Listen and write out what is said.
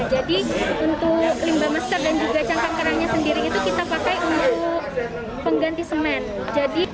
jadi untuk limbah masker dan juga cangkang kerangnya sendiri itu kita pakai untuk pengganti semen